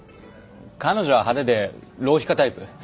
彼女は派手で浪費家タイプ。